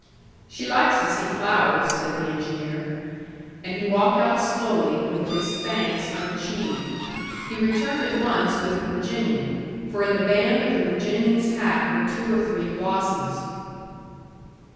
"She likes to see flowers," said the engineer. And he walked out slowly, with his thanks unachieved. He returned at once with the Virginian; for in the band of the Virginian's hat were two or three blossoms.